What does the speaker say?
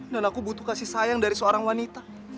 dan aku butuh kasih sayang dari seorang wanita